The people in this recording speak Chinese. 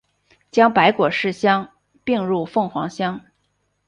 将白果市乡并入凤凰乡。